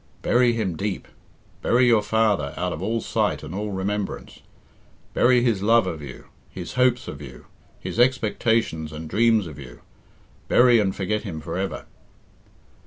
"Bury him deep! Bury your father out of all sight and all remembrance. Bury his love of you, his hopes of you, his expectations and dreams of you. Bury and forget him for ever."